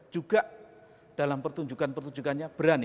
juga dalam pertunjukan pertunjukannya berani